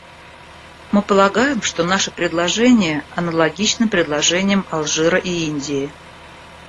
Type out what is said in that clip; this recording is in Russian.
Мы полагаем, что наши предложения аналогичны предложениям Алжира и Индии.